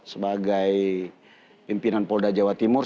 sebagai pimpinan polda jawa timur